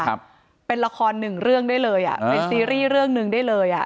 ครับเป็นละครหนึ่งเรื่องได้เลยอ่ะเป็นซีรีส์เรื่องหนึ่งได้เลยอ่ะ